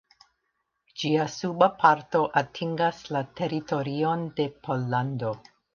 Ĝia suba parto atingas la teritorion de Pollando.